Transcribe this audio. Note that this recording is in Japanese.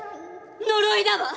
呪いだわ！